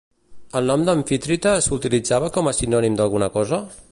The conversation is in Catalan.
El nom d'Amfitrite s'utilitzava com a sinònim d'alguna cosa?